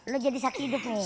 lu jadi saksi hidup nih